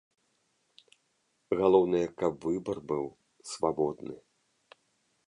Галоўнае, каб выбар быў свабодны.